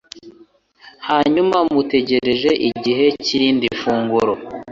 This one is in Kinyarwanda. hanyuma mutegereze igihe cy’irindi funguro.